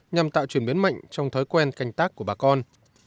nhằm tạo chuyển biến mạnh trong thói quen canh tác của bà con